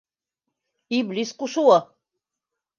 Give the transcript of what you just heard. Иблис ҡушыуы.